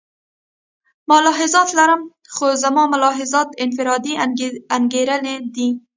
ملاحظات لرم خو زما ملاحظات انفرادي انګېرنې دي.